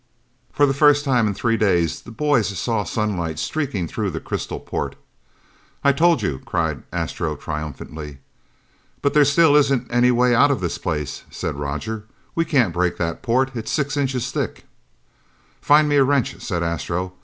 For the first time in three days, the boys saw sunlight streaking through the crystal port. "I told you," cried Astro triumphantly. "But there still isn't any way out of this place!" said Roger. "We can't break that port. It's six inches thick!" "Find me a wrench," said Astro.